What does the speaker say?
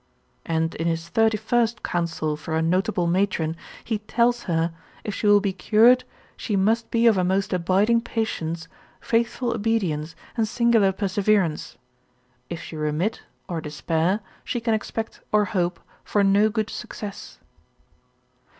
And in his 31. counsel for a notable matron, he tells her, if she will be cured, she must be of a most abiding patience, faithful obedience, and singular perseverance; if she remit, or despair, she can expect or hope for no good success.